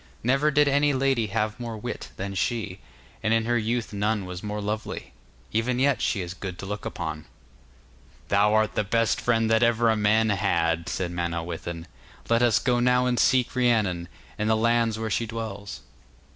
Never did any lady have more wit than she, and in her youth none was more lovely; even yet she is good to look upon.' 'Thou art the best friend that ever a man had,' said Manawyddan. 'Let us go now to seek Rhiannon, and the lands where she dwells.